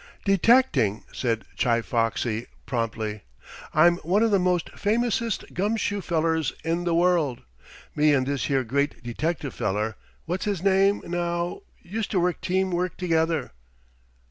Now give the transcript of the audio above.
"Detecting," said Chi Foxy promptly. "I'm one of the most famousest gum shoe fellers in the world. Me and this here great detective feller what's his name, now? used to work team work together."